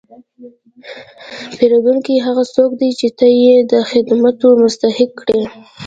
پیرودونکی هغه څوک دی چې ته یې د خدمتو مستحق کړې.